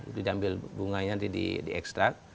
itu diambil bunganya di ekstrak